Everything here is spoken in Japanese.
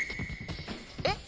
えっ？